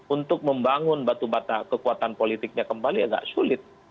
untuk membangun batu bata kekuatan politiknya kembali agak sulit